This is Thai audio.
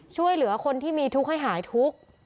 ช่วยเหลือคนที่มีทุกข์ให้หายทุกข์